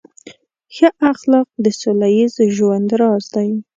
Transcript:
ښه اخلاق د سوله ییز ژوند راز دی.